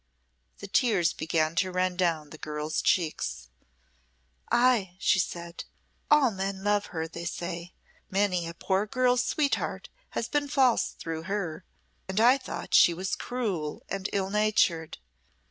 The tears began to run down the girl's cheeks. "Ay!" she said; "all men love her, they say. Many a poor girl's sweetheart has been false through her and I thought she was cruel and ill natured.